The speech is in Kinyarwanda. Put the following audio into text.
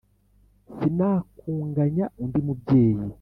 Sinakunganya undi mubyeyi